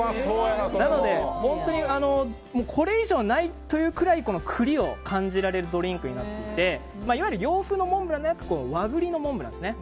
なので、本当にこれ以上ないというぐらい栗を感じられるドリンクになっていていわゆる洋風のモンブランではなく和栗のモンブランですね。